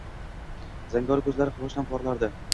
Zangori ko`zlari quvonchdan porlardi